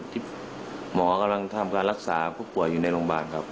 ที่หมอกำลังทำการรักษาผู้ป่วยอยู่ในโรงพยาบาลครับ